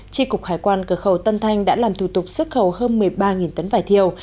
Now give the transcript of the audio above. tri cục hải quan cửa khẩu tân thanh đã làm thủ tục xuất khẩu hơn một mươi ba tấn vải thiều